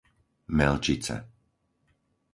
Melčice